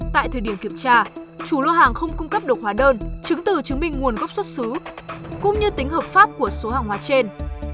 tại thời điểm kiểm tra chủ lô hàng không cung cấp được hóa đơn chứng từ chứng minh nguồn gốc xuất xứ cũng như tính hợp pháp của số hàng hóa trên